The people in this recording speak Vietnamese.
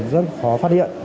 rất khó phát hiện